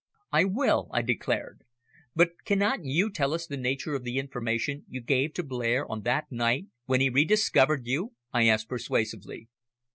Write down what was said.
"I will," I declared. "But cannot you tell us the nature of the information you gave to Blair on that night when he re discovered you?" I asked persuasively.